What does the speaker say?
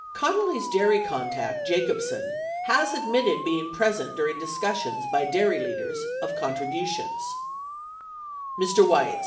40 Connally's dairy contact, Jacobsen, has admitted being present dur ing discussions by dairy leaders of contributions : Mr. Weitz.